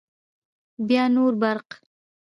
بیا نور برق